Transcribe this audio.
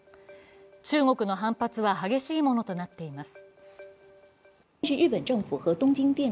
中国の反発は激しいものとなっています。